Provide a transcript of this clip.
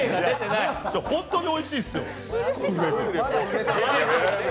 本当においしいですよ。